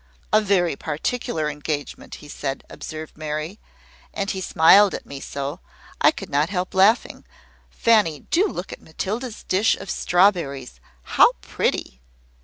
"A very particular engagement, he said," observed Mary: "and he smiled at me so, I could not help laughing. Fanny, do look at Matilda's dish of strawberries! How pretty!"